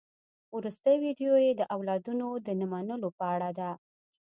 وروستۍ ويډيو يې د اولادونو د نه منلو په اړه ده.